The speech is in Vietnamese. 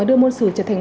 đưa môn sử trở thành